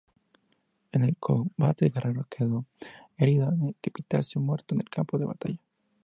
En el combate Guerrero quedó herido y Epitacio muerto en el campo de batalla.